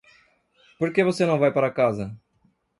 Por que você não vai para casa?